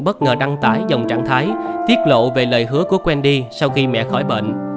bất ngờ đăng tải dòng trạng thái tiết lộ về lời hứa của wendy sau khi mẹ khỏi bệnh